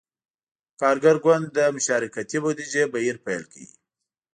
کارګر ګوند د »مشارکتي بودیجې« بهیر پیل کړ.